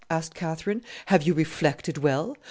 asked Catherine "have you reflected well?